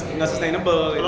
karena harus ada ini